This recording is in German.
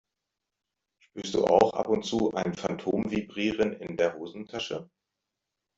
Spürst du auch ab und zu ein Phantomvibrieren in der Hosentasche?